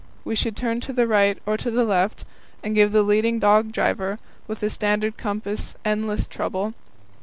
We should turn to the right or to the left, and give the leading dog driver with the standard compass endless trouble.